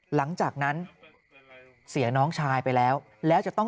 หลังจากนั้นเสียน้องชายไปแล้ว